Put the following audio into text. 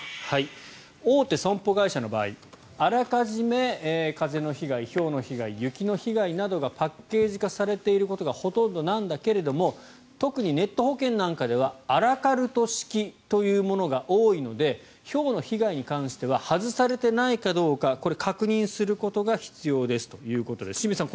大手損保会社の場合あらかじめ、風の被害ひょうの被害、雪の被害などがパッケージ化されていることがほとんどなんだけれども特にネット保険なんかではアラカルト式というものが多いのでひょうの被害に関しては外されていないかどうかこれ、確認することが必要ですということで清水さん